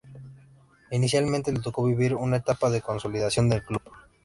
Inicialmente le tocó vivir una etapa de consolidación del club.